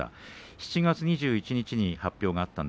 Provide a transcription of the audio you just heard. ７月２１日に発表がありました。